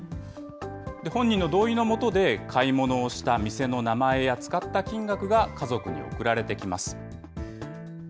本人の同意のもとで買い物をした店の名前や使った金額が家族に送られてきます。